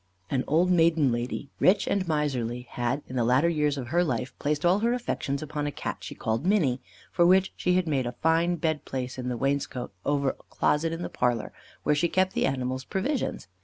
An old maiden lady, rich and miserly, had, in the latter years of her life, placed all her affections upon a Cat she called "Minny," for which she had made a fine bed place in the wainscot, over a closet in the parlour, where she kept the animal's provisions.